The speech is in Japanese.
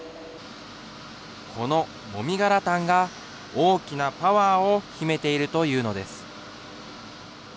このもみ殻炭が、大きなパワーを秘めているというのです。